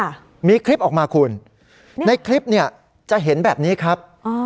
ค่ะมีคลิปออกมาคุณในคลิปเนี่ยจะเห็นแบบนี้ครับอ๋อ